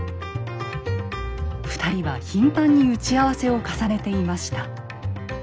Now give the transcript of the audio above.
２人は頻繁に打ち合わせを重ねていました。